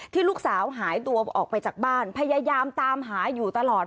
ลูกสาวหายตัวออกไปจากบ้านพยายามตามหาอยู่ตลอด